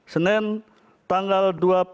senin tanggal dua puluh